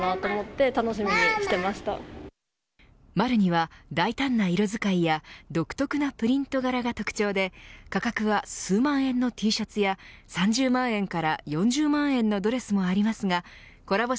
ＭＡＲＮＩは、大胆な色使いや独特なプリント柄が特徴で価格は数万円のＴシャツや３０万円から４０万円のドレスもありますがコラボ